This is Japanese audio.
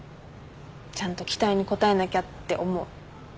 ちゃんと期待に応えなきゃって思う。